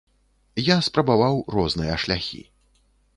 Я спрабаваў розныя шляхі.